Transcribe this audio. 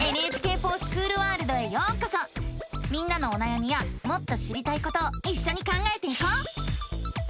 みんなのおなやみやもっと知りたいことをいっしょに考えていこう！